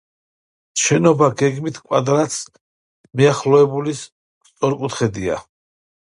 შენობა გეგმით კვადრატს მიახლოებული სწორკუთხედია.